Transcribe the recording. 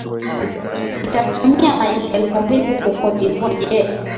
litatuma majeshi elfu mbili huku cote devoire je